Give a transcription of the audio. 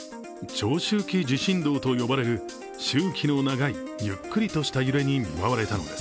長周期地震動と呼ばれる周期の長いゆっくりとした揺れに見舞われたのです。